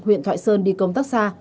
huyện thoại sơn đi công tác xa